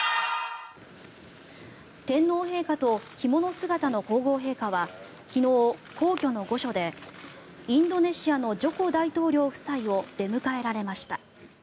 天皇陛下と着物姿の皇后陛下は昨日、皇居の御所でインドネシアのジョコ大統領夫妻を出迎えられました。